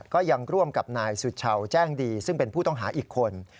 ก็ยังร่วมกับนายสุชาวแจ้งดีซึ่งเป็นผู้ต้องหาอีกคน